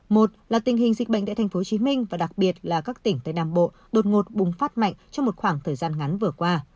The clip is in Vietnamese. một là tình hình dịch bệnh tại tp hcm và đặc biệt là các tỉnh tây nam bộ đột ngột bùng phát mạnh trong một khoảng thời gian ngắn vừa qua